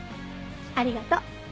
ありがと。